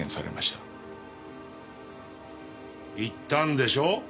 行ったんでしょ？